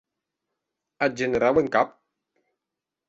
Ath generau en cap?